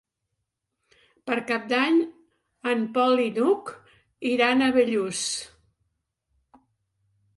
Per Cap d'Any en Pol i n'Hug iran a Bellús.